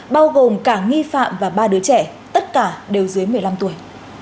bao gồm cả nghi phạm và ba đứa trẻ tất cả đều dưới một mươi năm tuổi